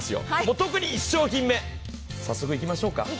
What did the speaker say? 特に１商品目、早速いきましょうか。